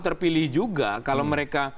terpilih juga kalau mereka